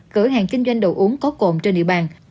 cửa hàng kinh doanh đồ uống có cồn trên địa bàn